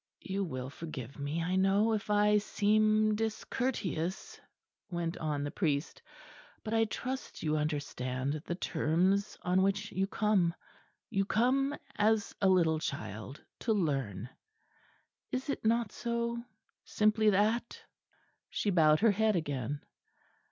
"You will forgive me, I know, if I seem discourteous," went on the priest, "but I trust you understand the terms on which you come. You come as a little child, to learn; is it not so? Simply that?" She bowed her head again.